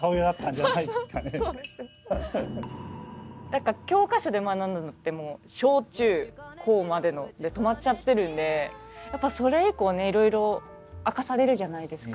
何か教科書で学んだのって小中高までので止まっちゃってるんでやっぱそれ以降ねいろいろ明かされるじゃないです